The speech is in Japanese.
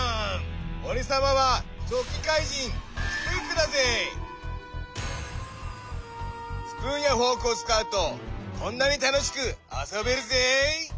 おれさまはスプーンやフォークをつかうとこんなにたのしくあそべるぜい！